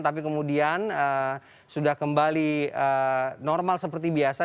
tapi kemudian sudah kembali normal seperti biasa